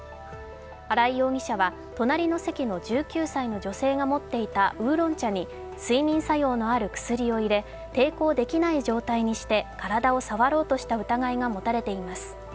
荒井容疑者は、隣の席の１９歳の女性が持っていたウーロン茶に睡眠作用のある薬を入れ抵抗できない状態にして体を触ろうとした疑いが持たれています。